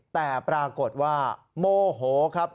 แต่ปรากฏว่าโมโหครับ